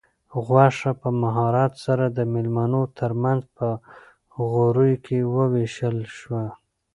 غوښه په مهارت سره د مېلمنو تر منځ په غوریو کې وویشل شوه.